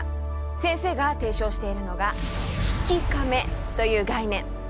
先生が提唱しているのが「悲喜カメ」という概念。